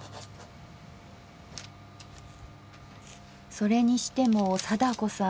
それにしても貞子さん